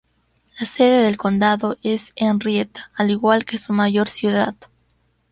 La sede del condado es Henrietta, al igual que su mayor ciudad.